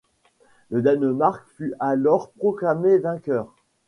Le Danemark fut alors proclamé vainqueur.